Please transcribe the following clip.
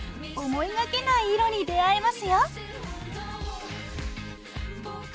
思いがけない色に出会えますよ。